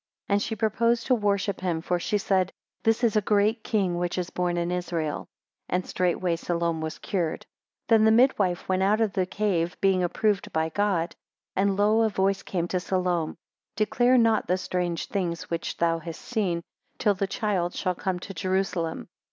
27 And she purposed to worship him, for she said, This is a great king, which is born in Israel. 28 And straightway Salome was cured. 29 Then the midwife went out of the cave, being approved by God. 30 And lo! a voice came to Salome. Declare not the strange things which thou hast seen, till the child shall come to Jerusalem.